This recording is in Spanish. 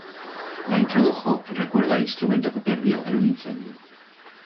La introdujo en recuerdo al instrumento que perdió en un incendio.